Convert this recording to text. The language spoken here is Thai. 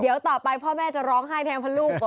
เดี๋ยวต่อไปพ่อแม่จะร้องไห้แทนเพราะลูก